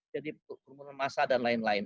jadi perumahan masa dan lain lain